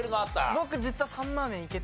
僕実は。